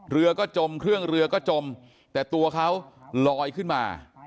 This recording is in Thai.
เรือก็จมเครื่องเรือก็จมแต่ตัวเขาลอยขึ้นมา